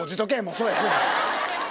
そうや。